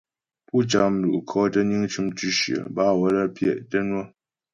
Pú cyǎ mlu'kʉɔ̌ tə́ niŋ cʉm tʉ̌shyə bâ waə́lə́ pyɛ' tə́ ŋwə̌.